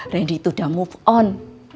rendy tuh udah move on